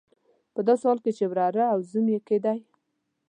په داسې حال کې چې وراره او زوم یې کېدی.